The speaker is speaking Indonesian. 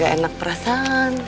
baik ya progressing